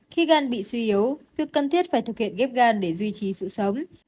khi gan bị suy yếu việc cần thiết phải thực hiện ghép gan để duy trì sự sống